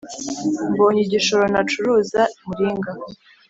mbonye igishoro nacuruza muringa